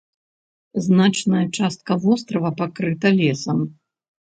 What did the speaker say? Значная частка вострава пакрыта лесам.